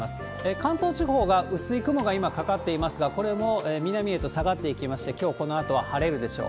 関東地方が薄い雲が今かかっていますが、これも南へと下がっていきまして、きょうこのあとは晴れるでしょう。